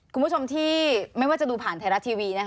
คุณผู้ชมที่ไม่ว่าจะดูผ่านไทยรัฐทีวี